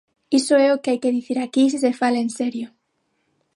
Iso é o que hai que dicir aquí se se fala en serio.